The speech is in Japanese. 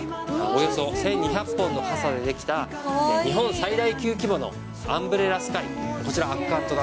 およそ１２００本の傘で出来た日本最大級規模のアンブレラスカイ。